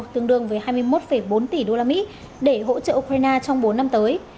tương đương với hai mươi một bốn tỷ usd để hỗ trợ ukraine trong bốn năm tới